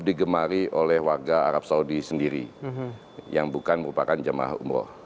digemari oleh warga arab saudi sendiri yang bukan merupakan jemaah umroh